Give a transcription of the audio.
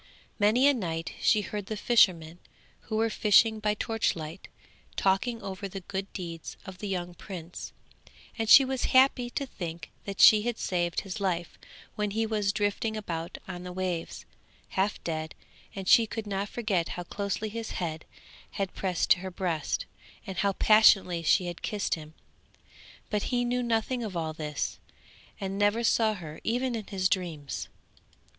Many a night she heard the fishermen, who were fishing by torchlight, talking over the good deeds of the young prince; and she was happy to think that she had saved his life when he was drifting about on the waves, half dead, and she could not forget how closely his head had pressed her breast, and how passionately she had kissed him; but he knew nothing of all this, and never saw her even in his dreams.